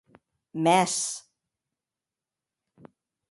Mès!